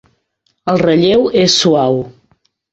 El relleu és suau.